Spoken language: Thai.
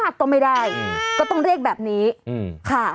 ใช้เมียได้ตลอด